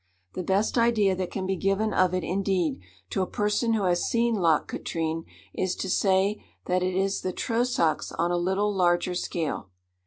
The best idea that can be given of it, indeed, to a person who has seen Loch Katrine, is to say, that it is the Trosachs on a little larger scale.